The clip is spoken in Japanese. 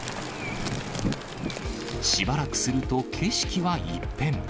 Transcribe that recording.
しばらくすると、景色は一変。